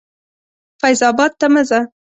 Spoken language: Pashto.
فیض آباد ته مه راځه.